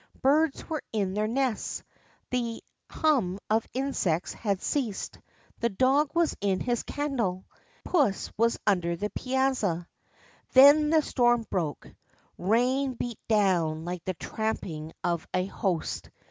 Birds were in their nests. The hum of insects had ceased. The dog was in his kennel. Puss was under the piazza. Then the storm broke. Bain beat down like the tramping of a host.